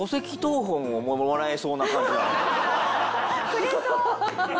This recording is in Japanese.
くれそう！